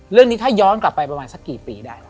เรื่องนี้ถ้าย้อนกลับไปประมาณสักกี่ปีได้